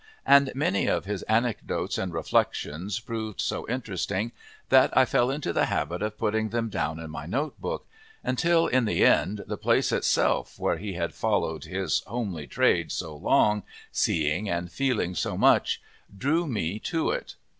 And many of his anecdotes and reflections proved so interesting that I fell into the habit of putting them down in my notebook; until in the end the place itself, where he had followed his "homely trade" so long, seeing and feeling so much, drew me to it.